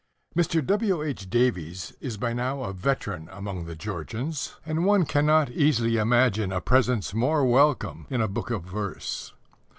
Mr. W.H. Davies is by now a veteran among the Georgians, and one cannot easily imagine a presence more welcome in a book of verse.